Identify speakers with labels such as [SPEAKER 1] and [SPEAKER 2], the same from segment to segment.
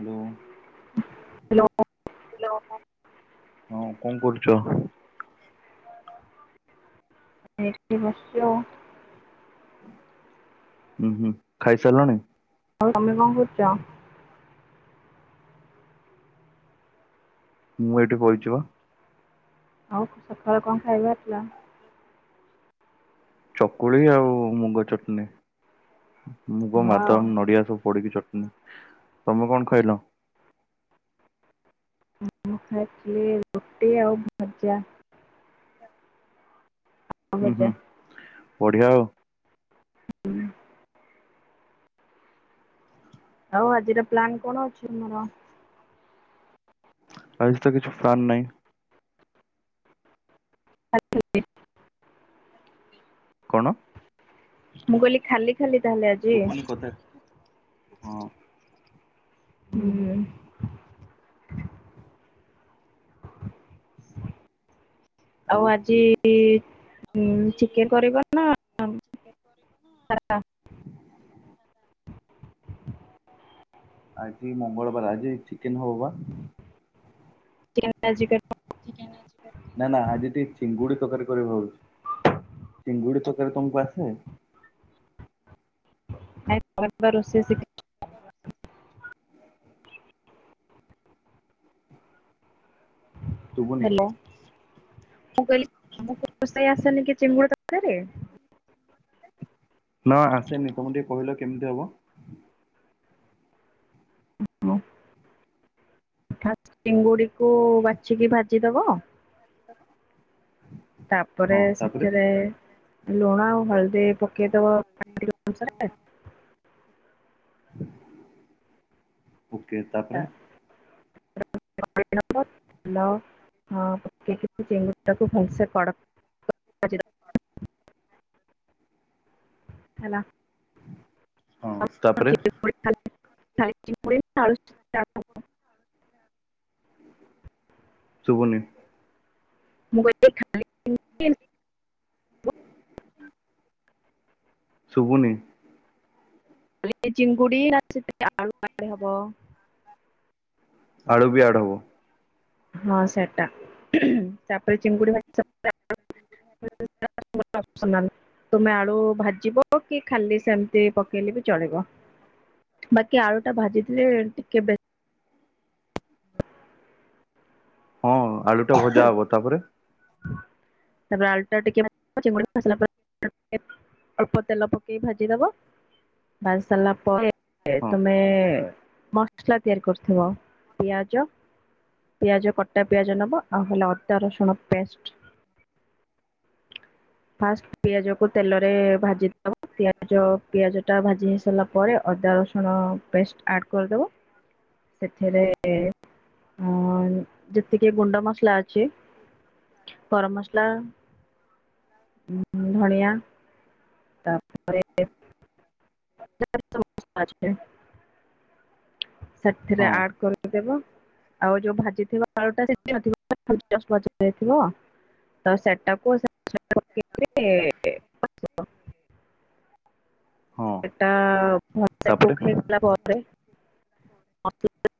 [SPEAKER 1] Hello.
[SPEAKER 2] Hello.
[SPEAKER 1] ହଁ କଣ କରୁଛ?
[SPEAKER 2] ଏଠି ବସିଛି ଆଉ।
[SPEAKER 1] ହୁଁ ହୁଁ ଖାଇସାରିଲଣି।
[SPEAKER 2] ଆଉ ତମେ କଣ କରୁଛ?
[SPEAKER 1] ମୁଁ ଏଇଠି ବଇଚି ପା।
[SPEAKER 2] ହଉ ସକାଳେ କଣ ଖାଇବା ହେଇଥିଲା।
[SPEAKER 1] ଚକୁଳି ଆଉ ମୁଗ ଚଟଣି ମୁଗ
[SPEAKER 2] ଆଉ
[SPEAKER 1] ବାଦାମ ନଡିଆ ସବୁ ପଡିକି ଚଟ ହୁଁ ତମେ କଣ ଖାଇଲ?
[SPEAKER 2] ମୁଁ ଖାଇଥିଲି ରୁଟି ଆଉ ଭଜା। ଆଉ
[SPEAKER 1] ହୁଁ ହୁଁ
[SPEAKER 2] ଭଜା
[SPEAKER 1] ବଢିଆ ଆଉ।
[SPEAKER 2] ହୁଁ। ଆଉ ଆଜିର ପ୍ଲାନ କଣ ଅଛି ତୁମର।
[SPEAKER 1] ଆଜି ତ କିଛି ପ୍ଲାନ୍ ନାହିଁ।
[SPEAKER 2] [inaudible]
[SPEAKER 1] କଣ?
[SPEAKER 2] ମୁଁ କହିଲି ଖାଲି ଖାଲି ତାହେଲେ ଆଜି।
[SPEAKER 1] ଶୁଭୁନି କଥା ହଁ।
[SPEAKER 2] ହୁଁ। ଆଉ ଆଜି ଚିକେନ କରିବ ନା ସାଧା।
[SPEAKER 1] ଆଜି ମଙ୍ଗଳବାର ଆଜି ଚିକେନ ହବ ବା।
[SPEAKER 2] ଚିକେନ ଆଜି କରିବ।
[SPEAKER 1] ନା ନା ଆଜି ଟିକେ ଚିଙ୍ଗୁଡି ତରକାରୀ କରିବି ଭାବୁଛି। ଚିଙ୍ଗୁଡି ତରକାରି ତମକୁ ଆସେ।
[SPEAKER 2] ଆ [inaudible]
[SPEAKER 1] ଶୁଭୁନି।
[SPEAKER 2] ହାଲୋ। ମୁଁ କହିଲି ତମକୁ ରୋଷେଇ ଆସେନି କି ଚିଙ୍ଗୁଡି ତରକାରି?
[SPEAKER 1] ନା ଆସେନି ତମେ ଟିକେ କହୁନ କେମିତି ହବ?
[SPEAKER 2] ଫାର୍ଷ୍ଟ ଚିଙ୍ଗୁଡିକୁ ବାଛିକି ଭାଜିଦବ।
[SPEAKER 1] [inaudible]
[SPEAKER 2] ତାପରେ
[SPEAKER 1] ହଁ ତାପରେ
[SPEAKER 2] ସେଥିରେ ଲୁଣ ହଳଦି ପ କେଇଦବ
[SPEAKER 1] ଓକେ ତାପରେ
[SPEAKER 2] ହ କଡ [inaudible] ଜି [inaudible] ହେଲା।
[SPEAKER 1] ହଁ। ତାପରେ
[SPEAKER 2] [unintelligible]
[SPEAKER 1] ଶୁବୁନି।
[SPEAKER 2] ମୁଁ କଇ ଦେ
[SPEAKER 1] ଶୁବୁନି।
[SPEAKER 2] ଚିଙ୍ଗୁଡ଼ି ନା ସେଥି [unintelligible] ଆଳୁ ହବ।
[SPEAKER 1] ଆଳୁ ବି ଆଡ ହବ।
[SPEAKER 2] ହଁ ସେଟା ତାପରେ ଚିଙ୍ଗୁଡି ଭା [unintelligible] [unintelligible] ତୁମେ ଆଳୁ ଭାଜିବ କି ଖାଲି ସେମିତି ପକେଇଲେ ବି ଚଳିବ। ବାକି ଆଳୁ ଟା ଭାଜିଥିଲେ ଟିକେ ବେ
[SPEAKER 1] ହଁ ଆଳୁ ଟା ଭଜା ହବ ତାପରେ?
[SPEAKER 2] ତାପ ଆଳୁଟା ଟିକେ [unintelligible] ଅଳ୍ପ ତେଲ ପକେଇ ଭାଜି ଦବ ଭାଜିସାରିଲା ପରେ
[SPEAKER 1] ହଁ
[SPEAKER 2] ତମେ ମ ସଲା ତିଆରି କରୁଥିବ ପିଆଜ ପିଆଜ କଟା ପିଆଜ ନବ। ଆଉ ହେଲା ଅଦା ରସୁଣ ପେଷ୍ଟ। ଫାଷ୍ଟ ପିଆଜ କୁ ତେଲରେ ଭାଜି ଦେବ ପିଆଜ ପିଆଜ ଟା ଭାଜି ହେଇସାରିଲା ପରେ ଅଦା ରସୁଣ ପେଷ୍ଟ ଆଡ କରିଦବ ସେଥିରେ ଅ ଯେତିକି ଗୁଣ୍ଡ ମସଲା ଅଛି ଗରମ ମସଲା ଧଣିଆ ତାପରେ [unintelligible]
[SPEAKER 1] ହଁ
[SPEAKER 2] ସେଥିରେ ଆଡ କରିଦବ। ଆଉ ଯୋଉ ଭାଜିଥିବ ଆଳୁ [unintelligible] ତ ସେଟା କୁ
[SPEAKER 1] ହଁ
[SPEAKER 2] ଏଟା ଭ [unintelligible] [unintelligible]
[SPEAKER 1] ତାପରେ
[SPEAKER 2] ପରେ [unintelligible] [unintelligible] [unintelligible]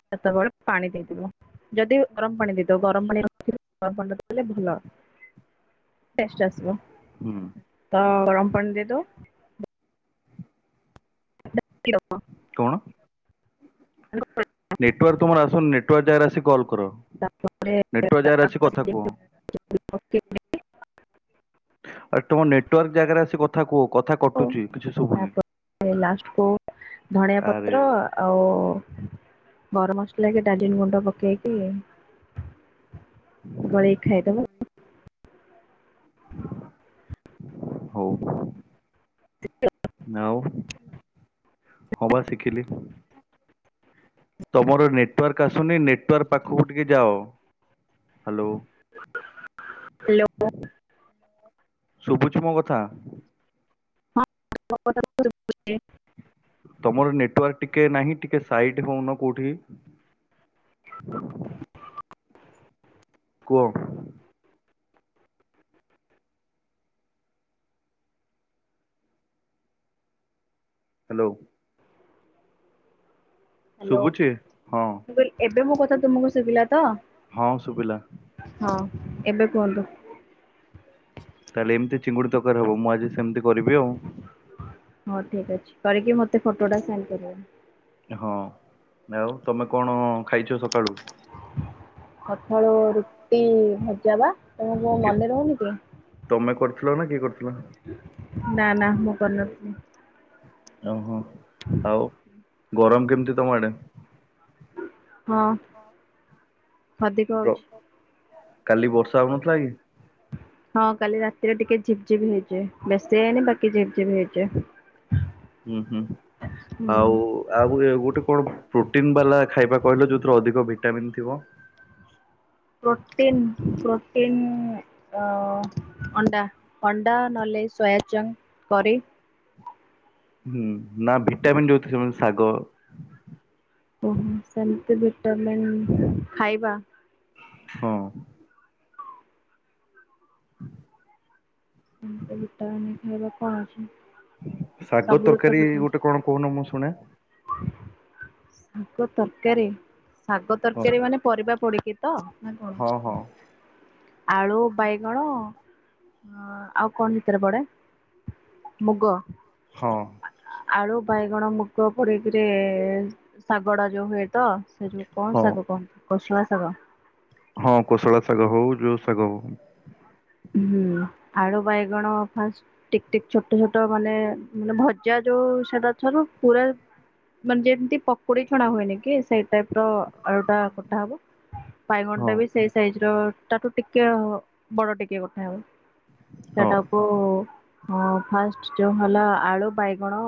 [SPEAKER 2] ସେତେବେଳେ ପାଣି ଦେଇଦିବ ଯଦି ଗରମ ପାଣି ଦେ ତ ଗରମ ପାଣି ରଖିଦ [unintelligible] ଭଲ ଟେଷ୍ଟ ଆସିବ
[SPEAKER 1] ହୁଁ
[SPEAKER 2] ତ ଗରମ ପାଣି ଦେଇଦ [unintelligible]
[SPEAKER 1] କଣ?
[SPEAKER 2] [unintelligible]
[SPEAKER 1] ନେଟୱାର୍କ ତୁମର ଆସନି ନେଟୱାର୍କ ଜାଗାରେ ଆସି କଲ୍ କର।
[SPEAKER 2] ତାପରେ
[SPEAKER 1] ନେଟୱର୍କ ଯାଗାରେ ଆସିି କଥା କୁହ।
[SPEAKER 2] ଓକେ।
[SPEAKER 1] ଆ ତମ ନେଟୱାର୍କ ଜାଗାରେ ଆସି କଥା କୁହ କଥା କଟୁଛି କିଛି ଶୁଭୁନି
[SPEAKER 2] ତାପରେ ଲାଷ୍ଟ କୁ ଧଣିଆ
[SPEAKER 1] ଆରେ
[SPEAKER 2] ପତ୍ର ଆଉ ଗରମ ମସଲା କି ଡା [unintelligible] ଗୁଣ୍ଡ ପକେଇକି ବଳେଇକି ଖାଇଦବ।
[SPEAKER 1] ହ ହୋଉ।
[SPEAKER 2] [unintelligible]
[SPEAKER 1] ଆଉ ହବା ଶିଖିଲି। ତୁମର ନେଟୱାର୍କ ଆସୁନି ନେଟୱାର୍କ ପାଖକୁ ଟିକେ ଯାଅ ହ୍ୟାଲୋ।
[SPEAKER 2] ହ୍ୟାଲୋ।
[SPEAKER 1] ଶୁଭୁଛି ମୋ କଥା?
[SPEAKER 2] [unintelligible]
[SPEAKER 1] ତମର ନେଟୱାର୍କ ଟିକେ ନାହିଁ ଟିକେ ସାଇଟ୍ ହୋଉନ କୋଉଠି? କୁହ। ହ୍ୟାଲୋ।
[SPEAKER 2] ହ୍ୟାଲୋ
[SPEAKER 1] ଶୁଭୁଛି ହଁ
[SPEAKER 2] ଏବେ ମୋ କଥା ତୁମକୁ ଶୁଭିଲା ତ?
[SPEAKER 1] ହଁ ଶୁଭିଲା।
[SPEAKER 2] ହଁ ଏବେ କୁହନ୍ତୁ।
[SPEAKER 1] ତାହେଲେ ଏମିତି ଚିଙ୍ଗୁଡ଼ି ତରକାରି ହବ ମୁଁ ଆଜି ସେମିତି କରିବି ଆଉ।
[SPEAKER 2] ହଁ ଠିକ୍ ଅଛି କରିକି ମତେ ଫଟୋ ଟା ସେଣ୍ଡ କରିବ।
[SPEAKER 1] ହଁ ଆଉ ତମେ କଣ ଖାଇଛ ସକାଳୁ?
[SPEAKER 2] ଖଠଳୁ ରୁଟି ଭଜା ବା ତମର କଣ
[SPEAKER 1] କି
[SPEAKER 2] ମନେ ରହୁନି କି?
[SPEAKER 1] ତମେ କରିଥିଲ ନା କିଏ କରିଥିଲା?
[SPEAKER 2] ନା ନା ମୁଁ କରିନଥିଲି।
[SPEAKER 1] ଓହୋ ଆଉ ଗରମ କେମିତି ତମ ଆଡେ?
[SPEAKER 2] ହଁ ଅଧିକ
[SPEAKER 1] ପ୍ର-
[SPEAKER 2] ହୋଉଚି।
[SPEAKER 1] କାଲି ବର୍ଷା ହଉନଥିଲା କି?
[SPEAKER 2] ହଁ କାଲି ରାତିରେ ଟିକେ ଝିପ୍ ଝିପ୍ ହେଇଛି ବେଶୀ ହେଇନି ବାକି ଝିପ୍ ଝିପ୍ ହେଇଛି।
[SPEAKER 1] ହୁଁ ହୁଁ
[SPEAKER 2] ହୁଁ
[SPEAKER 1] ଆଉ ଆଉ ଗୋଟେ କଣ ପ୍ରୋଟିନ୍ ବାଲା ଖାଇବା କହିଲ ଯୋଉଥିରେ ଅଧିକ ଭିଟାମିନ୍ ଥିବ।
[SPEAKER 2] Protein protein. ଅ ଅଣ୍ଡା ଅଣ୍ଡା ନଲେ ସୋୟାଚଙ୍କ କରେ।
[SPEAKER 1] ହୁଁ ନା ଭିଟାମିନ୍ ଯୋଉ ସେମାନେ ଶାଗ।
[SPEAKER 2] ଓହୋ ସେମିତି ଭିଟାମିନ୍ ଖାଇବା।
[SPEAKER 1] ହଁ। ହ
[SPEAKER 2] ଏମିତି ଗୁଟା ଆଣି ଖାଇବା କଣ ଅଛି।
[SPEAKER 1] ଶାଗ
[SPEAKER 2] ସବୁରୁ ତ
[SPEAKER 1] ତରକାରୀ
[SPEAKER 2] ଭିଟାମିନ୍
[SPEAKER 1] ଗୋଟେ କଣ କହୁନ ମୁଁ ଶୁଣେ।
[SPEAKER 2] ଶାଗ ତରକାରୀ। ଶାଗ
[SPEAKER 1] ହଁ
[SPEAKER 2] ତରକାରୀ ମାନେ ପରିବା ପଡିକି ତ ନା
[SPEAKER 1] ହଁ ହଁ
[SPEAKER 2] କଣ? ଆଳୁ, ବାଇଗଣ ହଁ ଆଉ କଣ ସେଥିରେ ପଡେ?
[SPEAKER 1] ହଁ।
[SPEAKER 2] ଆଳୁ, ବାଇଗଣ, ମୁଗ ପଡିକିରି ଶାଗ ଗୁଡ଼ା ଯୋଉ ହୁଏ ତ? ସେ ଯୋଉ କଣ
[SPEAKER 1] ହଁ
[SPEAKER 2] ଶାଗ କଣ କୋଷଳା ଶାଗ।
[SPEAKER 1] ହଁ। କୋଶଳା ଶାଗ ହୋଉ ଯୋଉ ଶାଗ ହୋଉ।
[SPEAKER 2] ହୁଁ। ଆଳୁ, ବାଇଗଣ ଫାଷ୍ଟ ଟିକ୍ ଟିକ୍ ଛୋଟ ଛୋଟ ମାନେ ମାନେ ଭଜା ଯୋଉ ସେଟା [unintelligible] ପୁରା ମାନେ ଯେମିତି ପକୁଡି ଛଣା ହୁଏନି କି ସେଇ ଟାଇପ୍ ର ଅଳୁ ଟା କଟା ହବ।
[SPEAKER 1] ହଁ।
[SPEAKER 2] ବାଇଗଣଟା ବି ସେଇ ସାଇଜ୍ ର ତାଠୁ ଟିକେ ବଡ ଟିକେ କଟା ହବ।
[SPEAKER 1] ହଁ
[SPEAKER 2] ସେଟାକୁ ହଁ, ଫାଷ୍ଟ୍ ଯୋଉ ହେଲା, ଆଳୁ, ବାଇଗଣ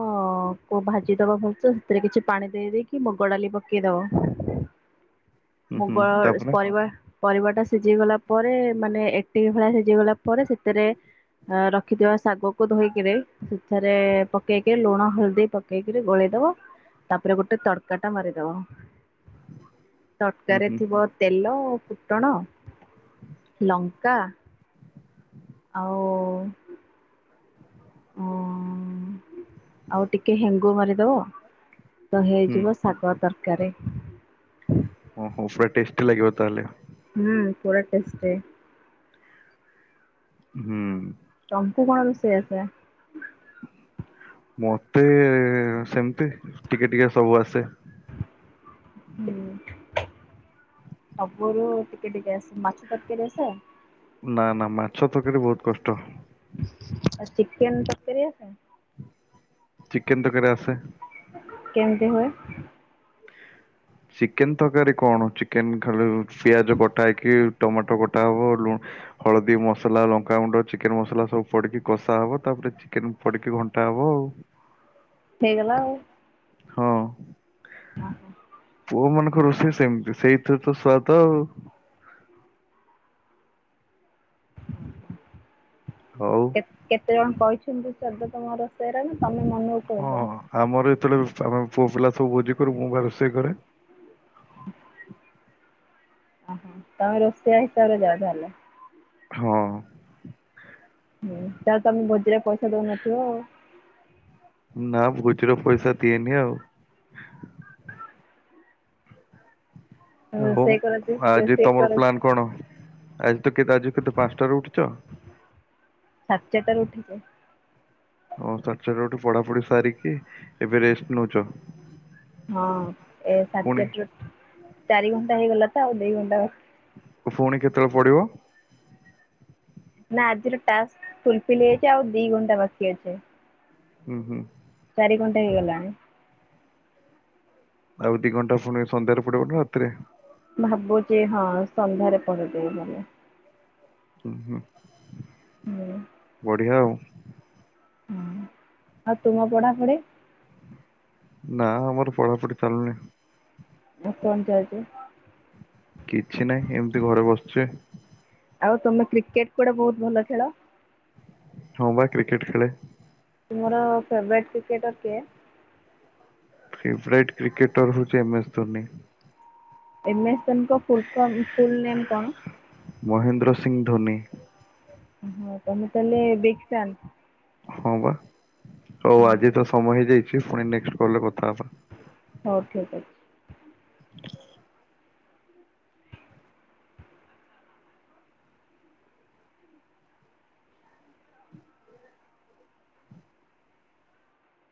[SPEAKER 2] କୁ ଭାଜିଦବ ଭଲସେ, ସେଥିରେ କିଛି ପାଣି ଦେଇ ଦେଇକି କି ମୁଗ ଡାଲି ପକେଇ ଦବ
[SPEAKER 1] [unintelligible]
[SPEAKER 2] ମୁଗ,
[SPEAKER 1] ତାପରେ
[SPEAKER 2] ପରିବା, ପରିବା ଟା ସିଝି ଗଲା ପରେ ମାନେ ଏଟି ମୂଳା ସିଜିଗଲା ପରେ ସେଥେରେ ରଖିଥିବା ଶାଗକୁ ଧୋଇକିରି, ସେଥିରେ ପକେଇକି ଲୁଣ, ହଳଦୀ ପ। ପକେଇକିରି ଗୋଳେଇଦବ, ତାପରେ ଗୋଟେ ତଡ୍ କା ଟା ମାରିଦବ।
[SPEAKER 1] [unintelligible]
[SPEAKER 2] ତଡ୍ କାରେ
[SPEAKER 1] ହୁଁ
[SPEAKER 2] ଥିବ ତେଲ ଓ ଫୁଟଣ, ଲଙ୍କା ଆଉ ଆଉ ଟିକେ ହେଙ୍ଗୁ ମାରିଦବ, ତ
[SPEAKER 1] ହୁଁ
[SPEAKER 2] ହେଇଯିବ ଶାଗ ତରକାରୀ।
[SPEAKER 1] ଓହୋ, ପୁରା ଟେଷ୍ଟି ଲାଗିବ ତାହେଲେ?
[SPEAKER 2] ହୁଁ, ପୁରା ଟେଷ୍ଟି।
[SPEAKER 1] ହୁଁ।
[SPEAKER 2] ତମୁକୁ କଣ ରୋଷେଇ ଆସେ?
[SPEAKER 1] ମତେ ସେମ୍ ତି, ଟିକେ ଟିକେ ସବୁ ଆସେ।
[SPEAKER 2] ହୁଁ। ସବୁରୁ ଟିକେ ଟିକେ ଆସେ, ମାଛ ତରକାରୀ ଆସେ?
[SPEAKER 1] ନା ନା ମାଛ ତରକାରୀ ବହୁତ୍ କଷ୍ଟ।
[SPEAKER 2] ଆଉ ଚିକେନ୍ ତରକାରୀ ଆସେ?
[SPEAKER 1] ଚିକେନ୍ ତରକାରୀ ଆସେ।
[SPEAKER 2] କେମ୍ ତି ହୁଏ?
[SPEAKER 1] ଚିକେନ୍ ତରକାରୀ କଣ? ଚିକେନ୍ ଖାଲି ପିଆଜ କଟା ହେଇକି, ଟମାଟୋ କଟା ହବ, ଲୁଣ୍ ହଳଦୀ, ମସଲା, ଲଙ୍କାଗୁଣ୍ଡ, ଚିକେନ ମସଲା, ସବୁ ପଡିକି କଷା ହବ ତାପରେ ଚି ଚିକେନ୍ ପଡିକି ଘଣ୍ଟା ହବ ଆଉ।
[SPEAKER 2] ହେଇଗଲା ଆଉ।
[SPEAKER 1] ହଁ।
[SPEAKER 2] ଅ ହ।
[SPEAKER 1] ପୁଅ ମାନଙ୍କ ରୋଷେଇ ସେମ୍ ତି। ସେଇଥିରେ ତ ସୁଆଦ ଆଉ। ହଉ।
[SPEAKER 2] କେତେ ଜଣ କହିଛନ୍ତି ସ୍ୱାଦ ତମ ରୋଷେଇରେ ନା? ତମେ ମନୁ
[SPEAKER 1] ହଁ, ଆମର ଯେତବେଳେ [unintelligible] ପୁଅ ପିଲା ସବୁ ଭୋଜି କରୁ, ମୁଁ ବା ରୋଷେଇ କରେ।
[SPEAKER 2] ଅହ, ତମେ ରୋଷେଇଆ ହିସାବରେ ଯାଅ ତାହଲେ?
[SPEAKER 1] ହଁ।
[SPEAKER 2] ହୁଁ, ତାହାଲେ ତମେ ଭୋଜିରେ ପଇସା ଦଉନଥିବ ଆଉ?
[SPEAKER 1] ନା, ଭୋଜିର ପଇସା ଦିଏନି ଆଉ। ହଉ
[SPEAKER 2] ରୋଷେଇ କର ଯେ
[SPEAKER 1] ଆଜି
[SPEAKER 2] ରୋଷେଇ
[SPEAKER 1] ତମର
[SPEAKER 2] କର
[SPEAKER 1] ପ୍ଲାନ କଣ, ଆଜି ତ କେତ୍ ଆଜି କେତେ ପାଞ୍ଚଟାରେ ଉଠିଚ?
[SPEAKER 2] ସାଢେ୍ ଚାରିଟାରୁ ଉଠିଚି।
[SPEAKER 1] ହଁ, ସାଢେ ଚାରିରୁ ଉଠିକି, ପଢାପଢି ସାରିକି, ଏବେ ରେଷ୍ଟ୍ ନଉଚ?
[SPEAKER 2] ହଁ, ଏ ସାଢେଚାଟାରୁ, ଚାରି ଘଣ୍ଟା ହେଇଗଲା ତ, ଆଉ ଦି ଘଣ୍ଟା
[SPEAKER 1] ଫୁଣି କେତେବେଳେ ପଢିବ?
[SPEAKER 2] ନା ଆଜିର ଟାକ୍ସ ଫୁଲଫିଲ୍ ହେଇଚି, ଆଉ ଦି ଘଣ୍ଟା ବାକି ଅଛି।
[SPEAKER 1] ହୁଁ ହୁଁ।
[SPEAKER 2] ଚାରି ଗଣ୍ଟେ ହେଇଗଲାଣି।
[SPEAKER 1] ଆଉ ଦି ଘଣ୍ଟା ପୁଣି ସନ୍ଧ୍ୟାରେ ପଡିବନି ରାତିରେ।
[SPEAKER 2] ଭାବୁଚି ହଁ ସନ୍ଧ୍ୟାରେ ପରଦବେ [unintelligible]
[SPEAKER 1] ହୁ ହୁଁ
[SPEAKER 2] ହୁଁ
[SPEAKER 1] ବଢିଆ ଆଉ।
[SPEAKER 2] ହୁଁ ଆଉ ତୁମ ପଢ଼ାପଢ଼ି?
[SPEAKER 1] ନା ଆମର ପଢାପଢି ଚାଲୁନି।
[SPEAKER 2] ଆଉ କଣ ଚାଲିଚି?
[SPEAKER 1] କିଛି ନାହିଁ ଏମ୍ତି ଘରେ ବସିଚି।
[SPEAKER 2] ଆଉ ତମେ କ୍ରିକେଟ୍ କୁଆଡେ ବହୁତ୍ ଭଲ ଖେଳ?
[SPEAKER 1] ହଁ ବା କ୍ରିକେଟ୍ ଖେଳେ।
[SPEAKER 2] ତୁମର ଫେବରାଟ୍ କ୍ରିକେଟର କିଏ?
[SPEAKER 1] ଫେଭରାଇଟ୍ କ୍ରିକେଟର ହଉଚି M S Dhoni.
[SPEAKER 2] M S [unintelligible] ଫୁଲ ଫରମ୍ ଫୁଲ୍ ନେମ୍ କଣ?
[SPEAKER 1] ମହେନ୍ଦ୍ର ସିଂହ ଧୋନି।
[SPEAKER 2] ହଁ ତ [unintelligible] ବିଗ୍‌ ଫ୍ୟାନ୍।
[SPEAKER 1] ହଁ ବା ହଉ ଆଜି ତ ସମୟ ହେଇଯାଇଛି ପୁଣି ନେଷ୍ଟ କଲରେ କଥା ହବା।
[SPEAKER 2] ହଉ ଠିକ୍ [unintelligible]